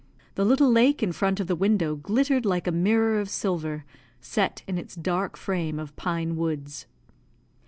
The little lake in front of the window glittered like a mirror of silver, set in its dark frame of pine woods.